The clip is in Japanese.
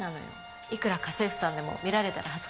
いくら家政婦さんでも見られたら恥ずかしいわ。